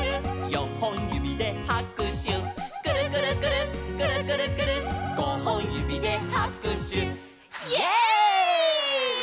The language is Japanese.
「よんほんゆびではくしゅ」「くるくるくるっくるくるくるっ」「ごほんゆびではくしゅ」イエイ！